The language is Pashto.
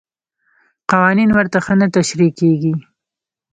قوانین ورته ښه نه تشریح کېږي.